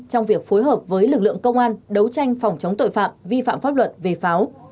trong việc phối hợp với lực lượng công an đấu tranh phòng chống tội phạm vi phạm pháp luật về pháo